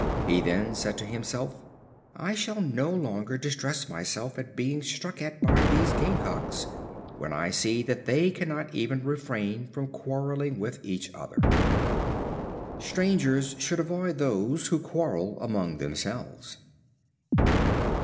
He then said to himself: "I shall no longer distress myself at being struck at by these Game cocks, when I see that they cannot even refrain from quarreling with each other." Strangers should avoid those who quarrel among themselves.